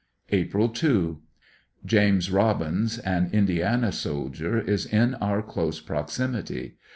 April 2 — James Kobins, an Indiana soldier, is in our close prox imity.